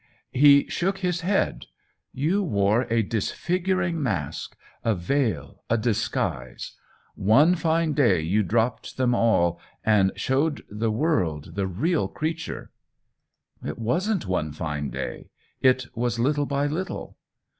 He shook his head. " You wore a dis figuring mask, a veil, a disguise. One fine day you dropped them all and showed the world the real creature." " It wasn't one fine day — it was little by little."